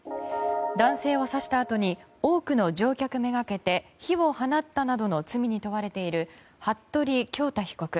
男性を刺したあとに多くの乗客めがけて火を放ったなどの罪に問われている、服部恭太被告。